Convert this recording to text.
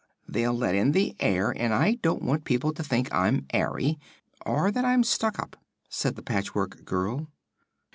"They'll let in the air, and I don't want people to think I'm airy, or that I've been stuck up," said the Patchwork Girl.